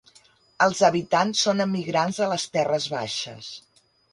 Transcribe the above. Els habitants són emigrants de les terres baixes.